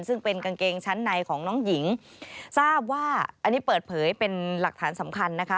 ซึ่งเป็นกางเกงชั้นในของน้องหญิงทราบว่าอันนี้เปิดเผยเป็นหลักฐานสำคัญนะคะ